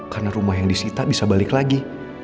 karena rumah yang disita bisa balik lagi